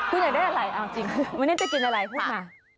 คุณอยากได้อะไรเอาจริงวันนี้จะกินอะไรพูดมา